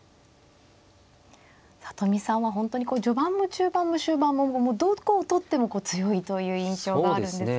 里見さんは本当に序盤も中盤も終盤もどこを取っても強いという印象があるんですが。